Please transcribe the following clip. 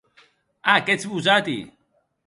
A, qu’ètz vosates!